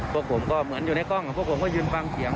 พวกผมก็เหมือนอยู่ในกล้องพวกผมก็ยืนฟังเสียง